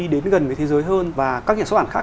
đến gần với thế giới hơn và các nhà số ản khác